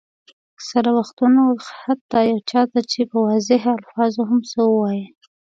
اکثره وختونه حتیٰ یو چا ته چې په واضحو الفاظو هم څه وایئ.